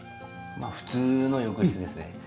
まあ普通の浴室ですね。